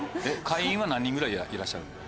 何人ぐらいいらっしゃるの？